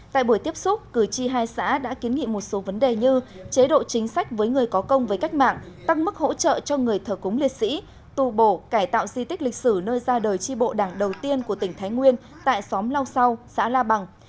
tại buổi tiếp xúc cử tri hai xã đã kiến nghị một số vấn đề như chế độ chính sách với người có công với cách mạng tăng mức hỗ trợ cho người thờ cúng liệt sĩ tù bổ cải tạo di tích lịch sử nơi ra đời tri bộ đảng đầu tiên của tỉnh thái nguyên tại xóm lau sau xã la bằng